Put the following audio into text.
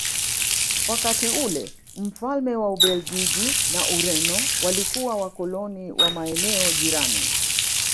Wakati ule mfalme wa Ubelgiji na Ureno walikuwa wakoloni wa maeneo jirani